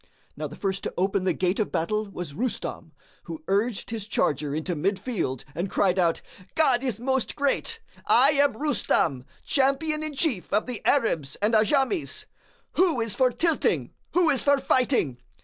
Now the first to open the gate of battle was Rustam, who urged his charger into mid field and cried out, "God is most Great! I am Rustam, champion in chief of the Arabs and Ajams. Who is for tilting, who is for fighting?